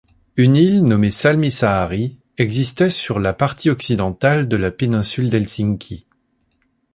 Une île nommée Salmisaari existait sur la partie occidentale de la péninsule d’Helsinki.